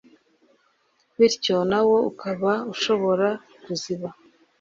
bityo nawo ukaba ushobora kuziba